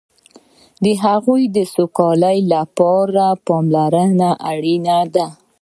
د هغوی سوکالۍ لپاره برابره پاملرنه اړینه ده.